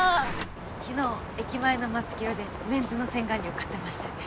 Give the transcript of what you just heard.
昨日駅前のマツキヨでメンズの洗顔料買ってましたよね？